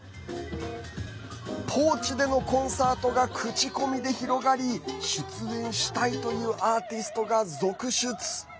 ポーチでのコンサートが口コミで広がり出演したいというアーティストが続出。